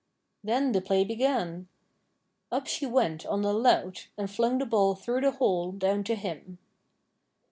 Then the play began! Up she went on the lout, and flung the ball through the hole, down to him.